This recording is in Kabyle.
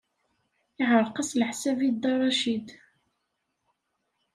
Yeɛreq-as leḥsab i Dda Racid.